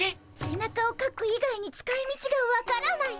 背中をかく以外に使いみちが分からない。